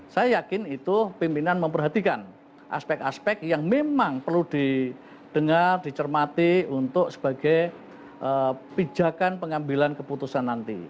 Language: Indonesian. saya yakin itu pimpinan memperhatikan aspek aspek yang memang perlu didengar dicermati untuk sebagai pijakan pengambilan keputusan nanti